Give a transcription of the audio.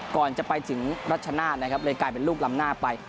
ก่อนจะไปถึงรัชนาธิ์นะครับเลยกลายเป็นลูกลำหน้าไป